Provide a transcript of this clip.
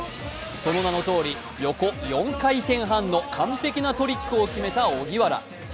その名のとおり、横４回転半の完璧なトリックを決めた荻原。